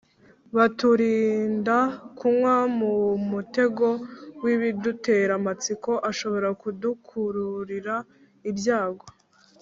baturinda kugwa mu mutego w'ibidutera amatsiko ashobora kudukururira ibyago.